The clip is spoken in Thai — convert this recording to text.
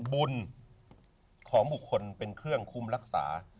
บุญของบุคคลเป็นเครื่องคุ้มรักษา